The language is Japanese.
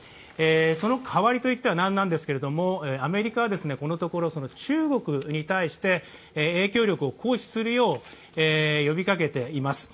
その代わりといってはなんなんですけれども、アメリカはこのところ中国に対して影響力を行使するよう呼びかけています。